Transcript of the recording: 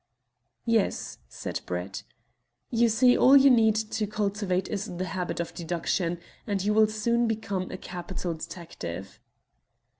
"Yes," said Brett. "You see, all you need to cultivate is the habit of deduction, and you will soon become a capital detective."